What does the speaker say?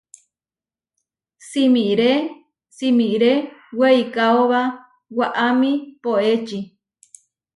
Simiré simiré weikaóba waʼámi poéči.